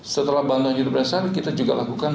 setelah bantuan hidup dasar kita juga lakukan